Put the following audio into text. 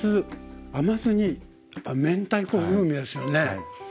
甘酢にやっぱ明太子風味ですよね。